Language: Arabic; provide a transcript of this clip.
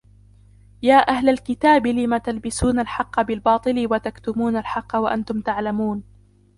يا أهل الكتاب لم تلبسون الحق بالباطل وتكتمون الحق وأنتم تعلمون